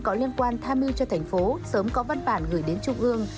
có liên quan tham mưu cho tp hcm sớm có văn bản gửi đến trung ương